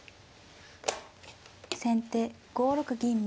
先手５六銀右。